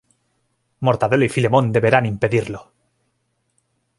Mortadelo y Filemón deberán impedirlo.